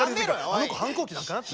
あの子反抗期なのかなって。